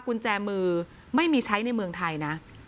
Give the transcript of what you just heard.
กุญแจมือไม่มีใช้ในเมืองไทยนะ